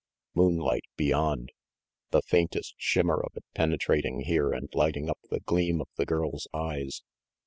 Moonlight beyond the faintest shimmer of it penetrating here and lighting up the gleam of the girl's eyes.